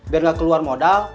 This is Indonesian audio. biar gak keluar modal